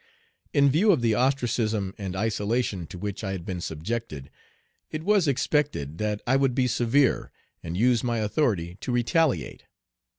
In view of the ostracism and isolation to which I had been subjected, it was expected that I would be severe, and use my authority to retaliate.